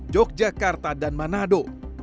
yogyakarta dan manado